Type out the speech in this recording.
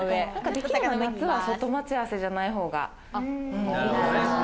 できたら夏は外待ち合わせじゃないほうが。